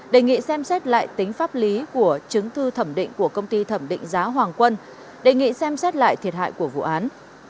đề nghị xem xét lại tính pháp lý của chứng thư thẩm định của công ty thẩm định giá hoàng quân đề nghị xem xét lại thiệt hại của vụ án